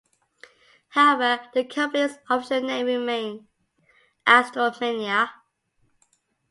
However, the company's official name remained Astral Media.